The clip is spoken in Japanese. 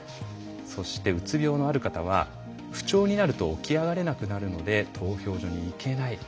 そして、うつ病のある方は不調になると起き上がれなくなるので投票所に行けない。